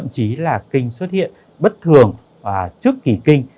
chí là kinh xuất hiện bất thường trước kỳ kinh